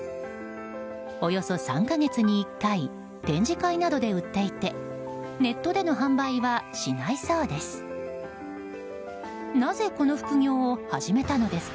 およそ３か月に１回展示会などで売っていてネットでの販売はしないそうです。